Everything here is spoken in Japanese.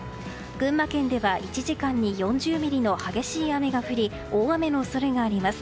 群馬県では１時間に４０ミリの激しい雨が降り大雨の恐れがあります。